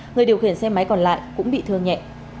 người điều khiển xe máy còn lại cũng bị thương nhẹ